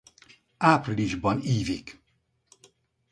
Áprilisban ívik.